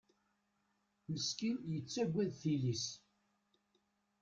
Meskin, yettagad tili-s.